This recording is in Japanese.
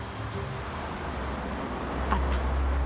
あった。